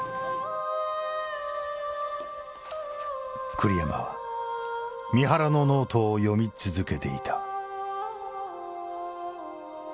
栗山は三原のノートを読み続けていた。